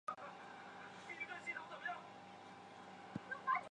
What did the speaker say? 和州历阳县人。